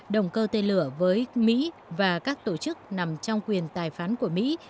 động cơ tên lửa với mỹ và các tổ chức nằm trong quyền tài phán của mỹ